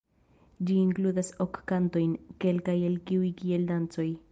Ĝi inkludas ok kantojn, kelkaj el kiuj kiel dancoj.